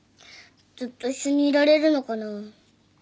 ずっと一緒にいられるのかな。